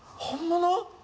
本物？